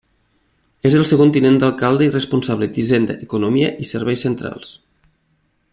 És el segon tinent d'alcalde i responsable d'Hisenda, Economia i Serveis Centrals.